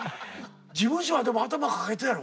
事務所はでも頭抱えたやろ？